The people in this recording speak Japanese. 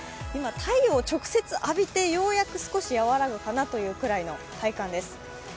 太陽を直接浴びてようやく少し和らぐかなというくらいの体感です。